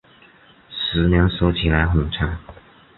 十年说起来很长